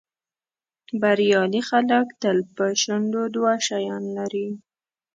بریالي خلک تل په شونډو دوه شیان لري.